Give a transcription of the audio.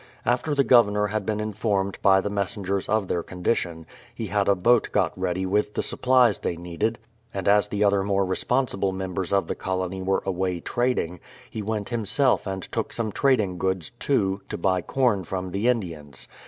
After the Governor had been informed by the messengers of their condition, he had a boat got ready with the supplies they needed, and as the other more responsible members of the colony were away trading, he went himself and took some trad ing goods, too, to buy corn from the Indians.